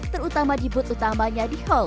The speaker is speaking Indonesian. terutama di booth utamanya di hall tujuh puluh tiga